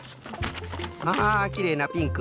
ああきれいなピンク。